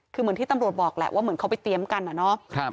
คือเหมือนที่ตำรวจบอกแหละว่าเหมือนเขาไปเตรียมกันอะเนาะ